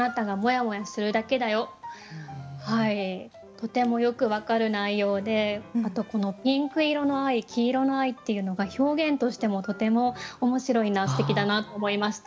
とてもよく分かる内容であとこの「ピンク色の愛」「黄色の愛」っていうのが表現としてもとても面白いなすてきだなと思いました。